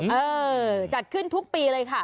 เออจัดขึ้นทุกปีเลยค่ะ